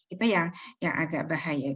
itu yang agak bahaya